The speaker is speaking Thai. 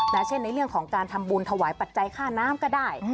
เช่นในเรื่องของการทำบุญถวายปัจจัยค่าน้ำก็ได้